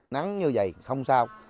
nắng như vậy không sao